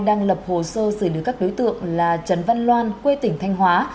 đang lập hồ sơ xử lý các đối tượng là trần văn loan quê tỉnh thanh hóa